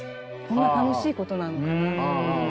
こんな楽しいことなのかなっていう。